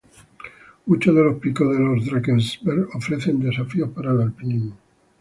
Muchos de los picos de los Drakensberg ofrecen desafíos para el alpinismo.